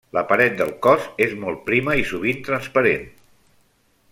La paret del cos és molt prima i sovint transparent.